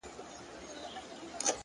پۀ وطن کښې راته ګرانه ګزاره شي